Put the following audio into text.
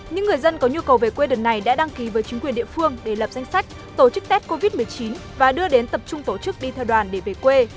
những người dân có nhu cầu về quê đợt này đã đăng ký với chính quyền địa phương để lập danh sách tổ chức tết covid một mươi chín và đưa đến tập trung tổ chức đi theo đoàn để về quê